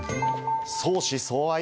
相思相愛？